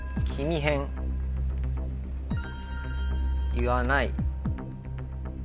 言わない。